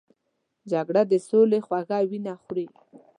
جګړه د سولې خوږه وینه خوري